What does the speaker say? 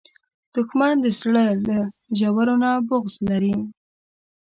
دښمن د زړه له ژورو نه بغض لري